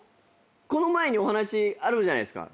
この前にお話あるじゃないですか。